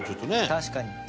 確かに。